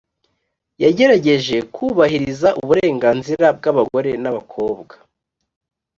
yagerageje kubahiriza uburenganzira bw’abagore n’abakobwa